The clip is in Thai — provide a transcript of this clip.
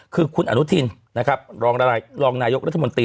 คือคุณอนุทินรองนายกรัฐมนตรี